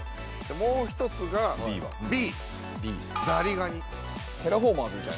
もう一つがＢザリガニ。